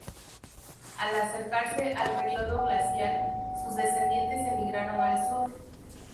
Al acercarse al período glacial sus descendientes emigraron al sur.